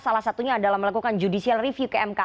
salah satunya adalah melakukan judicial review ke mk